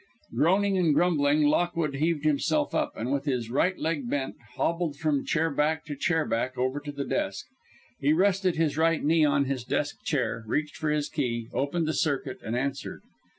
Groaning and grumbling, Lockwood heaved himself up, and, with his right leg bent, hobbled from chair back to chair back over to the desk. He rested his right knee on his desk chair, reached for his key, opened the circuit, and answered.